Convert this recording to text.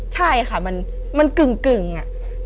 ใช่ค่ะมันกึ่งอะ